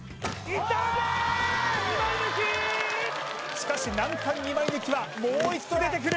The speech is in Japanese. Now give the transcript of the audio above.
しかし難関２枚抜きはもう一度出てくる